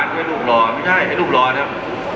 ให้ลูกหล่อไม่ใช่ให้ลูกหล่อเนี่ย